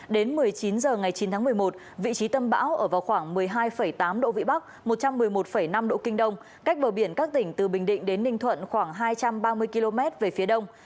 đến một mươi chín h ngày chín tháng một mươi một vị trí tâm bão ở vào khoảng một mươi hai tám độ vĩ bắc một trăm một mươi một năm độ kinh đông cách bờ biển các tỉnh từ bình định đến ninh thuận khoảng hai trăm ba mươi km về phía đông